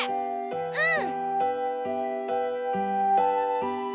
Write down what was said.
うん！